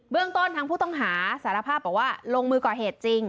เรื่องต้นทางผู้ต้องหาสารภาพบอกว่าลงมือก่อเหตุจริง